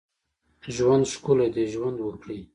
ژوند ښکلی دی ، ژوند وکړئ